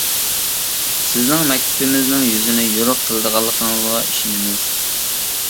سىزنىڭ مەكتىپىمىزنىڭ يۈزىنى يورۇق قىلىدىغانلىقىڭىزغا ئىشىنىمىز.